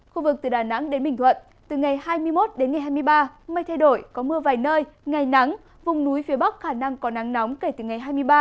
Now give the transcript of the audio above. khu vực từ đà nẵng đến bình thuận từ ngày hai mươi một đến ngày hai mươi ba mây thay đổi có mưa vài nơi ngày nắng vùng núi phía bắc khả năng có nắng nóng kể từ ngày hai mươi ba